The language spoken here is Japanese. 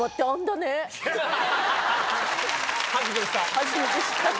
初めて知った。